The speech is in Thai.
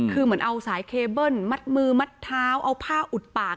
คือเหมือนเอาสายเคเบิ้ลมัดมือมัดเท้าเอาผ้าอุดปาก